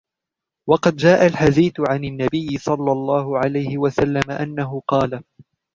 وَقَدْ جَاءَ الْحَدِيثُ عَنْ النَّبِيِّ صَلَّى اللَّهُ عَلَيْهِ وَسَلَّمَ أَنَّهُ قَالَ